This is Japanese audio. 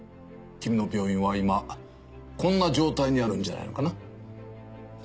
君の病院は今こんな状態にあるんじゃないのかな。